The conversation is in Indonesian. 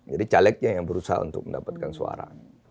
jadi calegnya yang berusaha untuk mendapatkan suara